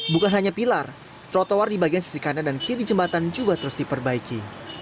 bukan hanya pilar trotoar di bagian sisi kanan dan kiri jembatan juga terus diperbaiki